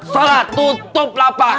salah tutup lapak